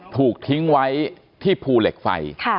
ถูกทิ้งไว้ที่ภูเหล็กไฟ